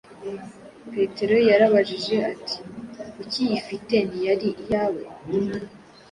Petero yarabajije ati “Ukiyifite, ntiyari iyawe?”